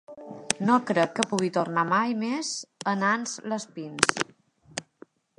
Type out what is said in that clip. No crec que pugui tornar mai més a Nans-les-Pins.